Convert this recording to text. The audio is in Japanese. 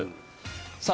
さあ